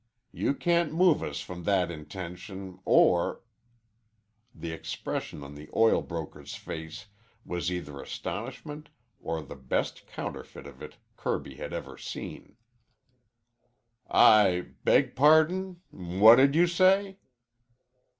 You can't move us from that intention or " The expression on the oil broker's face was either astonishment or the best counterfeit of it Kirby had ever seen. "I beg pardon. What did you say?"